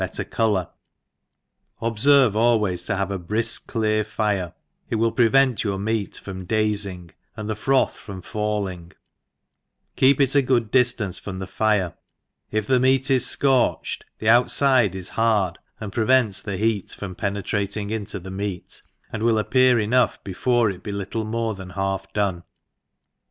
better colour j ob£:rve always to nave a brifk clear iire, it will prevent your meat from dazing and the froth from falling, keep it a good dif *^ tanco from the fire, if the meat is fcorefaed the Outfido is hard, and prevents the heat from pew netrating into the meat, and will appear enougii before it be little more than half dcme.